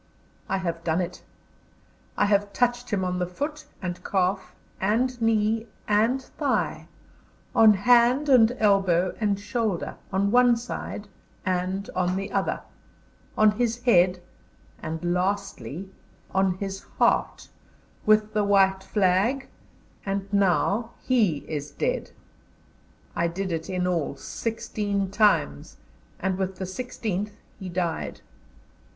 I have done it. I have touched him on the foot and calf and knee and thigh, on hand and elbow and shoulder, on one side and on the other, on his head, and lastly on his heart, with the white flag and now he is dead. I did it in all sixteen times, and with the sixteenth he died.